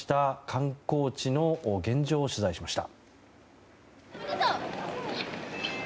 観光地の現状を取材しました。